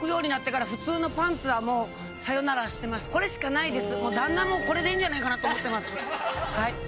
これしかないです。